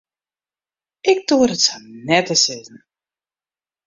Ik doar it sa net te sizzen.